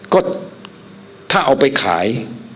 ก็ถ้าเอาไปขาย